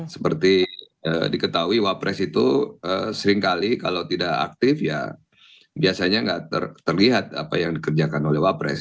seperti diketahui wapres itu seringkali kalau tidak aktif ya biasanya nggak terlihat apa yang dikerjakan oleh wapres